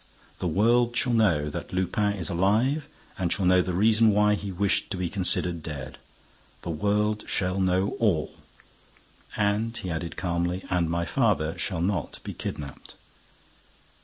The world shall know that Lupin is alive and shall know the reason why he wished to be considered dead. The world shall know all." And he added, calmly, "And my father shall not be kidnapped."